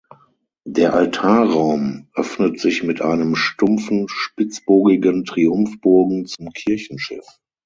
Der Altarraum öffnet sich mit einem stumpfen spitzbogigen Triumphbogen zum Kirchenschiff.